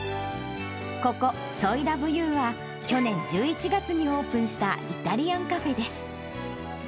ここ、ソイ・ラブ・ユーは、去年１１月にオープンした、イタリアンカフェです。